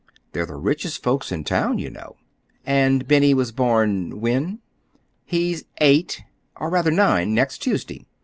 They're the richest folks in town, you know." "And Benny was born—when?" "He's eight—or rather nine, next Tuesday.